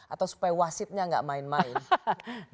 atau supaya wasitnya nggak main main